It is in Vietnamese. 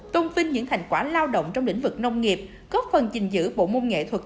tôn vinh những thành quả lao động trong lĩnh vực nông nghiệp góp phần gìn giữ bộ môn nghệ thuật